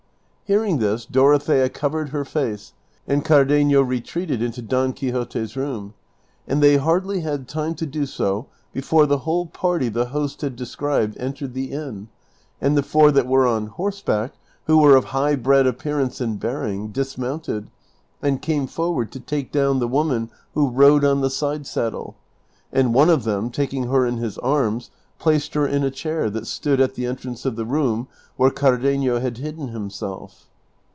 Hearing this Dorothea covered her face, and Cardenio re treated into Don Quixote's room, and they hardly had time to do so before the whole party the host had described entered the inn, and the four that were on horseback, who were of high bred appearance and bearing, dismounted, and came forward to take down the woman who rode on the side saddle, and one of them taking her in his arms placed her in a chair that stood at the entrance of the room Avhere Cardenio had hidden himself.